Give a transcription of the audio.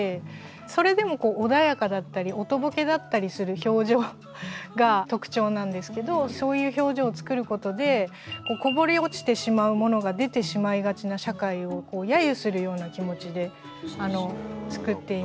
それでも穏やかだったりおとぼけだったりする表情が特徴なんですけどそういう表情を作ることでこぼれ落ちてしまうものが出てしまいがちな社会を揶揄するような気持ちで作っています。